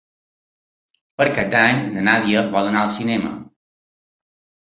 Per Cap d'Any na Nàdia vol anar al cinema.